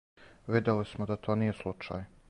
Видели смо да то није случај.